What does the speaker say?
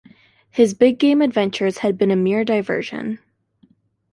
His big-game adventures had been a mere diversion.